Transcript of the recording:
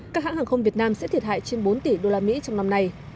các hãng hàng không việt nam sẽ thiệt hại trên bốn tỷ usd trong năm nay